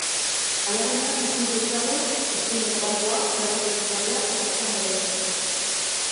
Alabaina, ikus ditzagun eskuineko bankuak, trafiko seinalea eta atzean dauden motorrak.